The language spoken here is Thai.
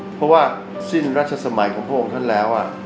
เพราะว่าสิ้นราชสมัยของพวกมันแล้ว